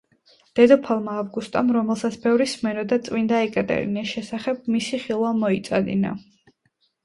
დედოფალმა ავგუსტამ, რომელსაც ბევრი სმენოდა წმინდა ეკატერინეს შესახებ, მისი ხილვა მოიწადინა.